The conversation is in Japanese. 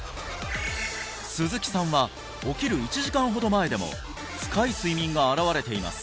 鈴木さんは起きる１時間ほど前でも深い睡眠が現れています